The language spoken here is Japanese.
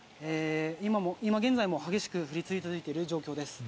今現在も激しく降り続いている状況です。